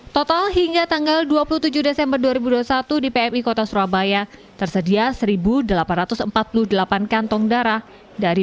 total hingga tanggal dua puluh tujuh desember dua ribu dua puluh satu di pmi kota surabaya tersedia seribu delapan ratus empat puluh delapan kantong darah dari